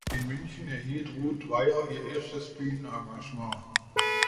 In München erhielt Ruth Weyher ihr erstes Bühnenengagement.